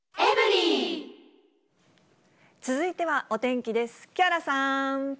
続いてはお天気です。